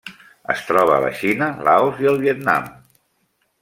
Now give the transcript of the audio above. Es troba a la Xina, Laos i el Vietnam.